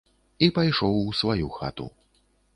І пайшоў у сваю хату.